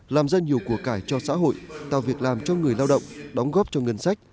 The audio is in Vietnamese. làm ra nhiều của cải cho xã hội tạo việc làm cho người lao động đóng góp cho ngân sách